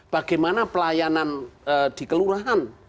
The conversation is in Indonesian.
bagaimana pelayanan dikeluargaan